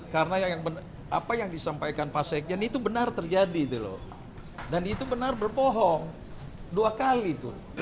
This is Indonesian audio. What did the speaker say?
karena apa yang disampaikan pak sekjen itu benar terjadi dan itu benar berbohong dua kali itu